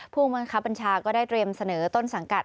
ผู้บังคับบัญชาก็ได้เตรียมเสนอต้นสังกัด